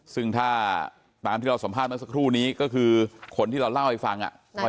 ซึ่งถ้าตามที่เราสัมภาษณ์เมื่อสักครู่นี้ก็คือคนที่เราเล่าให้ฟังว่า